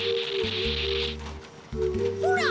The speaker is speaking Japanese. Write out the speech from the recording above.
ほら。